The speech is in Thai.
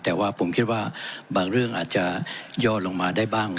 แต่ว่าผมคิดว่าบางเรื่องอาจจะย่อลงมาได้บ้าง